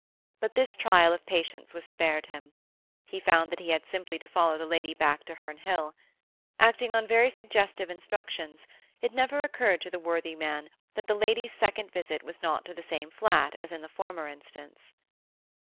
But this trial of patience was spared him. He found that he had simply to follow the lady back to Herne Hill. Acting on very suggestive instructions, it never occurred to the worthy man that the lady's second visit was not to the same flat as in the former instance.